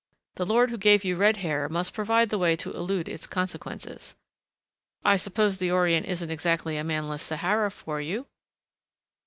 The Lord who gave you red hair must provide the way to elude its consequences.... I suppose the Orient isn't exactly a manless Sahara for you?"